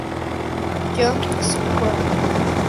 John Stewart